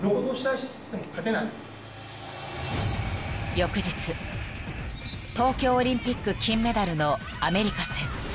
［翌日東京オリンピック金メダルのアメリカ戦］